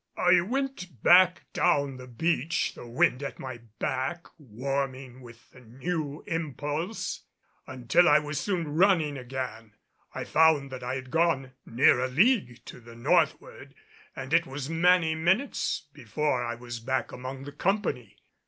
I went back down the beach the wind at my back, warming with the new impulse until I was soon running again. I found I had gone near a league to the northward, and it was many minutes before I was back among the company.